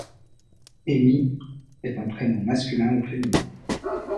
Ami est un prénom masculin ou féminin.